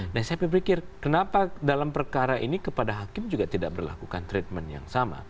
dan saya berpikir kenapa dalam perkara ini kepada hakim juga tidak berlakukan treatment yang sama